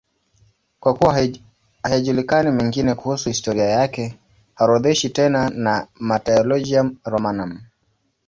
Kwa kuwa hayajulikani mengine kuhusu historia yake, haorodheshwi tena na Martyrologium Romanum.